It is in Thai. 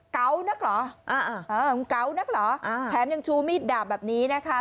เกา๊วนักเหรอแถมยังชูมีดดาบแบบนี้นะคะ